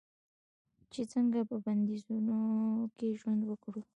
چې څنګه په بندیزونو کې ژوند وکړو.